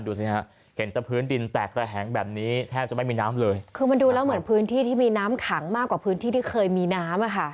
ดูสิฮะเห็นแต่พื้นดินแตกระแหงแบบนี้แทบจะไม่มีน้ำเลยคือมันดูแล้วเหมือนพื้นที่ที่มีน้ำขังมากกว่าพื้นที่ที่เคยมีน้ำอ่ะค่ะ